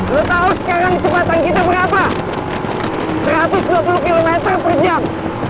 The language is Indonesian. lo tahu sekarang kecepatan kita berapa satu ratus dua puluh km per jam